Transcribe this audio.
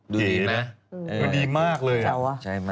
ดูดีมากเลย